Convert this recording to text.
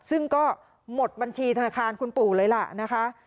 ซึ่งก็หมดบัญชีธนาคารคุณปู่เลยล่ะนะคะ